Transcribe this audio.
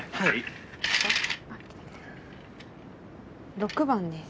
６番です。